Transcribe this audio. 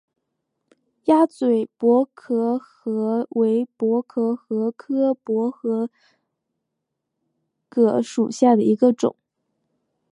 鸭嘴薄壳蛤为薄壳蛤科薄壳蛤属下的一个种。